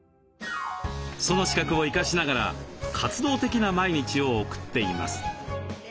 その資格を生かしながら活動的な毎日を送っています。